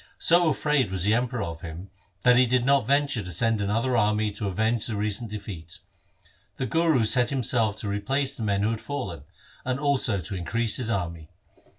So afraid was the Emperor of him, that he did not venture to send another army to avenge the recent defeat. The Guru set himself to replace the men who had fallen, and also to increase his army.